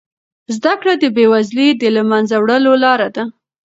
زده کړه د بې وزلۍ د له منځه وړلو لاره ده.